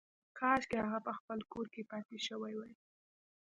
کاشکې هغه په خپل کور کې پاتې شوې وای